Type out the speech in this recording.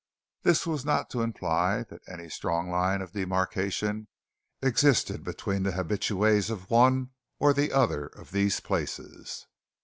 This is not to imply that any strong line of demarcation existed between the habitues of one or the other of these places.